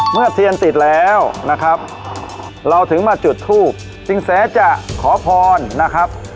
เมื่อเทียนติดแล้วนะครับเราถึงมาจุดทูปสินแสจะขอพรนะครับ